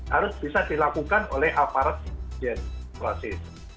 harus bisa dilakukan oleh aparat proses